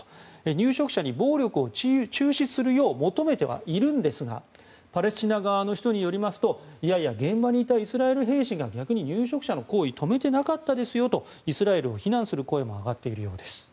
入植者に暴力を中止するよう求めてはいるんですがパレスチナ側の人によりますといやいや、現場にいたイスラエル兵士が逆に入植者の行為を止めてなかったですよとイスラエルを非難する声も上がっているようです。